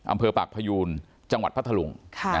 อำเภอปากพยูนจังหวัดพัทธลุง